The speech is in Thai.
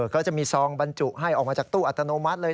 ก็จะมีซองบรรจุให้ออกมาจากตู้อัตโนมัติเลย